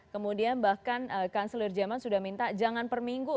kemudian bahkan kanselir jerman sudah minta jangan perminggu